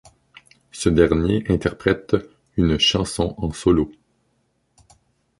Ce dernier interprète une chanson en solo.